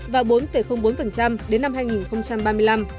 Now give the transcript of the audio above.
và bốn bốn đến năm hai nghìn ba mươi năm